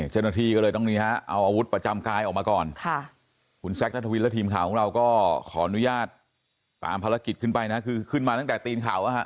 เจ้าหน้าที่ก็เลยต้องนี่ฮะเอาอาวุธประจำกายออกมาก่อนคุณแซคนัทวินและทีมข่าวของเราก็ขออนุญาตตามภารกิจขึ้นไปนะคือขึ้นมาตั้งแต่ตีนเขา